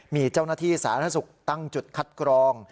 มีเจ้าหน้าที่สาธารณสุขตั้งจุดคัดกรอง